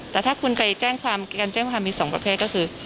แต่ถ้าคุณไปแจ้งความการแจ้งความมี๒ประเภทก็คือ